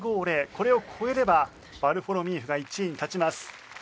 これを超えればヴァルフォロミーフが１位に立ちます。